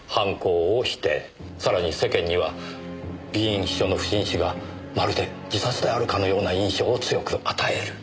さらに世間には議員秘書の不審死がまるで自殺であるかのような印象を強く与える。